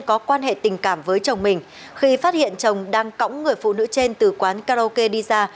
có quan hệ tình cảm với chồng mình khi phát hiện chồng đang cõng người phụ nữ trên từ quán karaoke đi ra